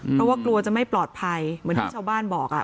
เพราะว่ากลัวจะไม่ปลอดภัยเหมือนที่ชาวบ้านบอก